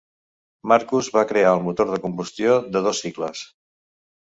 Marcus va crear el motor de combustió de dos cicles.